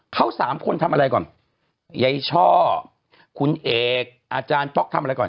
เขาสามคนทำอะไรก่อนยายช่อคุณเอกอาจารย์ป๊อกทำอะไรก่อน